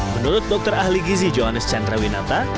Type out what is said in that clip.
menurut dokter ahli gizi joannes chandra winata